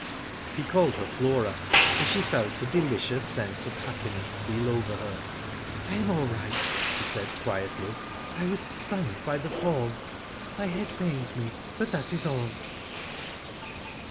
He called her Flora, and she felt a delicious sense of happiness steal over her. *' I am all right/' she said, quietly. " I was stunned by the fall. My head pains me, but that is all."